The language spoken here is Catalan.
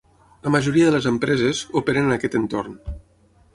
La majoria de les empreses operen en aquest entorn.